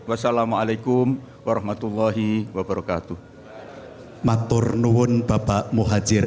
assalamu'alaikum warahmatullahi wabarakatuh